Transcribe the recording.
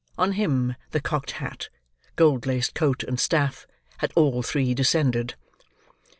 On him the cocked hat, gold laced coat, and staff, had all three descended.